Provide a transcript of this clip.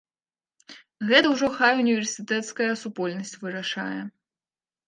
Гэта ўжо хай універсітэцкая супольнасць вырашае.